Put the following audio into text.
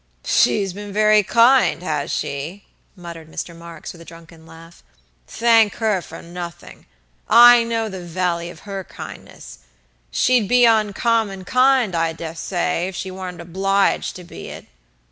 "She's been very kind, has she?" muttered Mr. Marks, with a drunken laugh; "thank her for nothing. I know the vally of her kindness. She'd be oncommon kind, I dessay, if she warn't obligated to be it."